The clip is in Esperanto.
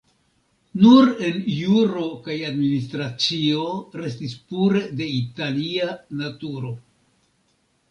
Nur en juro kaj administracio restis pure de Italia naturo.